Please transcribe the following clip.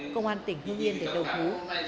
công an tỉnh hương yên để đồng hú